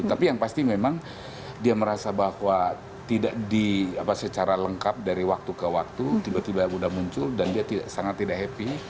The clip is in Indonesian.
tapi yang pasti memang dia merasa bahwa tidak secara lengkap dari waktu ke waktu tiba tiba sudah muncul dan dia sangat tidak happy